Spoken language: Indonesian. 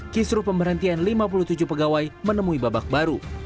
kisru pemberhentian lima puluh tujuh pegawai menemui babak baru